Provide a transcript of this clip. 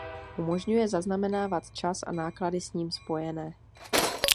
Umožňuje zaznamenávat čas a náklady s ním spojené.